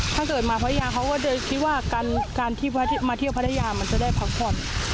ถ้าเกิดมาพัทยาเขาก็จะคิดว่าการที่มาเที่ยวพัทยามันจะได้พักผ่อน